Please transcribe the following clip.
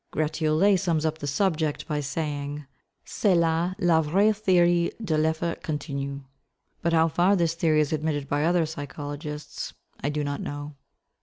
Gratiolet sums up the subject by saying, "C'est là la vraie théorie de l'effort continu;" but how far this theory is admitted by other physiologists I do not know.